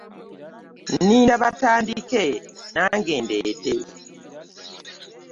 Nninda batandike nange ndeete.